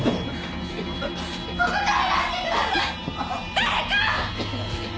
誰か！